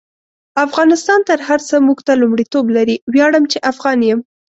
افغانستان تر هر سه مونږ ته لمړیتوب لري: ویاړم چی افغان يم